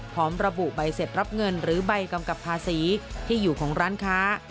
พร้อมระบุใบเสร็จรับเงินหรือใบกำกับภาษีที่อยู่ของร้านค้า